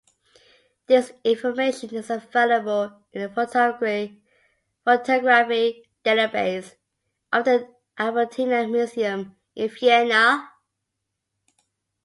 This information is available in the photography database of the Albertina Museum in Vienna.